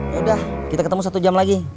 yaudah kita ketemu satu jam lagi